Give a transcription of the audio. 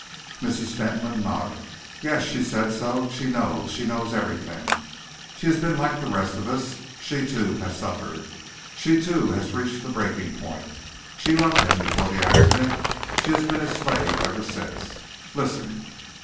Mrs. Fentolin nodded. "Yes! She said so. She knows she knows everything. She has been like the rest of us. She, too, has suffered. She, too, has reached the breaking point. She loved him before the accident. She has been his slave ever since. Listen!"